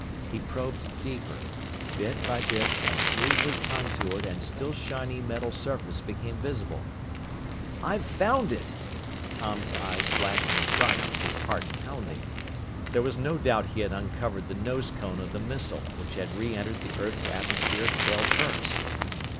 He probed deeper. Bit by bit, a smoothly contoured and still shiny metal surface became visible. "I've found it!" Tom's eyes flashed in triumph, his heart pounding. There was no doubt he had uncovered the nose cone of the missile which had re entered the earth's atmosphere tailfirst!